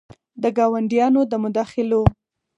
د ګاونډیانو د مداخلو